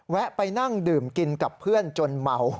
ไปนั่งดื่มกินกับเพื่อนจนเมา